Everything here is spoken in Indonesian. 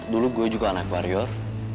dulu gue juga anak barrior